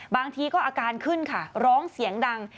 บางทีก็อาการขึ้นค่ะร้องเสียงดัง